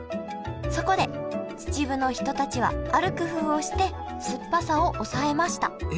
そこで秩父の人たちはある工夫をして酸っぱさをおさえました。